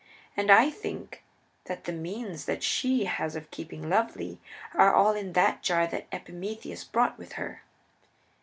And I think that the means that she has of keeping lovely are all in that jar that Epimetheus brought with her."